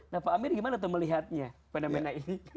nah pak amir gimana tuh melihatnya fenomena ini